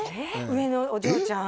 上のお嬢ちゃん？